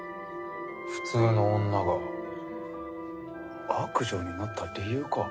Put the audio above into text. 普通の女が悪女になった理由か。